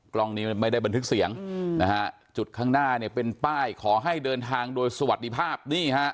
กล้องนี้ไม่ได้บันทึกเสียงนะฮะจุดข้างหน้าเนี่ยเป็นป้ายขอให้เดินทางโดยสวัสดีภาพนี่ฮะ